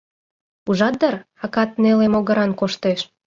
Ужат дыр, акат неле могыран коштеш.